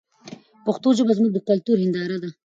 پښتو ژبه زموږ د کلتور هنداره ده.